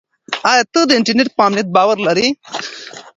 آیا ته د انټرنیټ په امنیت باور لرې؟